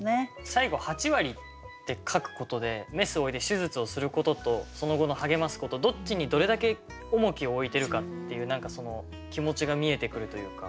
最後「八割」って書くことでメスを置いて手術をすることとその後の励ますことどっちにどれだけ重きを置いてるかっていう何かその気持ちが見えてくるというか。